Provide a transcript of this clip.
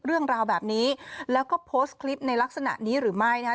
เรื่องราวแบบนี้แล้วก็โพสต์คลิปในลักษณะนี้หรือไม่นะคะ